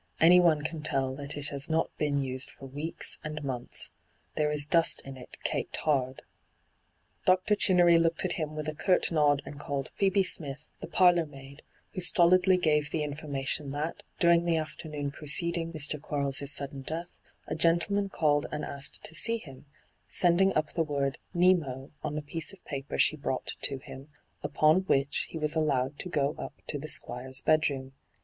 ' Anyone can tell that it has not been used for weeks and months — there is dust in it caked hard.' Dr. Chinnery looked at him with a curt nod, and called ' Phcebe Smith,' the parlour maid, who stolidly gave the information that, during the afternoon preceding Mr. Quarles' sudden death, a gentleman called and asked to see him, sending up the word ' Nemo ' on a piece of paper she brought to him, upon which he was allowed to go up to the Squire's bedroom.